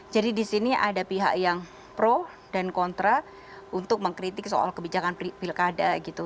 jadi di sini ada pihak yang pro dan kontra untuk mengkritik soal kebijakan pilkada gitu